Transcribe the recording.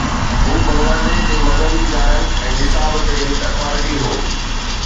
هو بنگلاديش جي مذهبي ادارن ۽ نصاب تي هڪ اٿارٽي هو.